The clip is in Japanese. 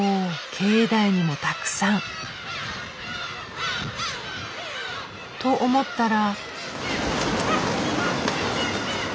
境内にもたくさん。と思ったら。